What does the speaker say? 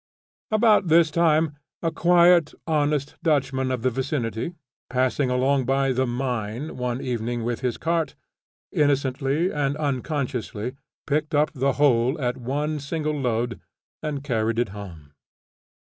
About this time a quiet honest Dutchman of the vicinity passing along by the "mine" one evening with his cart, innocently and unconsciously picked up the whole at one single load and carried it home.